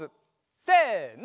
せの！